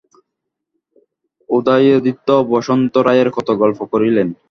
উদয়াদিত্য বসন্ত রায়ের কত গল্প করিলেন।